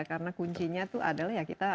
karena kuncinya itu adalah ya kita